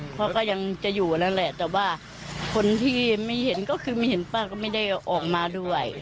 เขาก็ยังจะอยู่นั่นแหละแต่ว่าคนที่ไม่เห็นก็คือไม่เห็นป้าก็ไม่ได้ออกมาด้วย